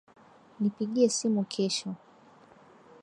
Nipigie simu kesho.